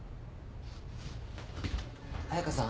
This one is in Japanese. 彩佳さん。